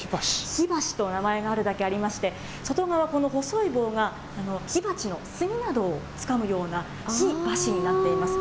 火箸と名前があるだけありまして、外側、この細い棒が火鉢の炭などをつかむような火箸になっています。